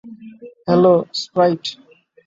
Hello, Sprite.